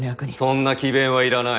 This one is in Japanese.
そんな詭弁はいらない。